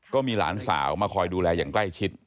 ก็มีหลานสาวมาคอยดูแลอย่างใกล้ชิด